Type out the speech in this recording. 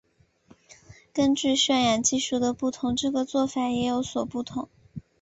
根据渲染技术的不同这个做法也有所不同。